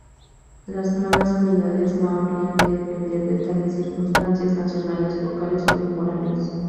Las nuevas unidades no habrían de depender de tales circunstancias nacionales, locales o temporales.